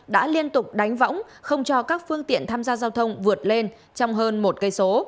đã liên tục đánh võng không cho các phương tiện tham gia giao thông vượt lên trong hơn một cây số